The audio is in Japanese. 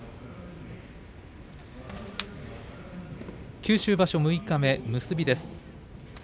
九州場所六日目、結びです。